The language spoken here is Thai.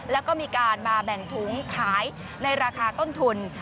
แล้วก็มีการมาแบ่งถุงขายในราคาต้นทุน